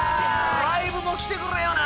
ライブも来てくれよな！